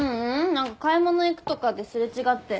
何か買い物行くとかで擦れ違って。